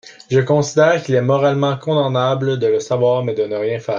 Je considère qu’il est moralement condamnable de le savoir mais de ne rien faire.